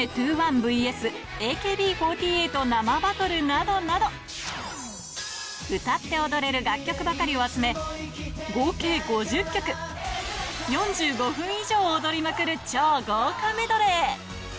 ＶＳＡＫＢ４８生バトルなどなど、歌って踊れる楽曲ばかりを集め、合計５０曲、４５分以上踊りまくる超豪華メドレー。